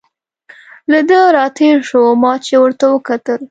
له ده را تېر شو، ما چې ورته وکتل.